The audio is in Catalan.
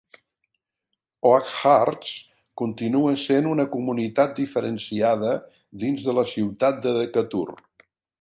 Oakhurst continua sent una comunitat diferenciada dins de la ciutat de Decatur.